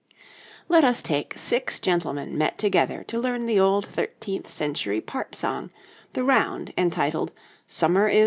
] Let us take six gentlemen met together to learn the old thirteenth century part song, the round entitled 'Sumer is icumen in.'